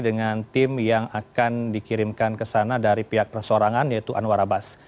dengan tim yang akan dikirimkan ke sana dari pihak persorangan yaitu anwar abbas